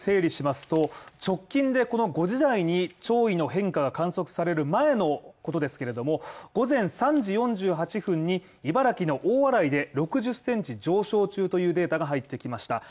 潮位の変化が観測される前のことですけれども、午前３時４８分に茨城の大洗で６０センチ上昇中というデータが入ってきました。